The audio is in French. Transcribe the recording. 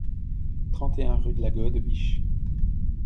trente et un rue de la Gode Biche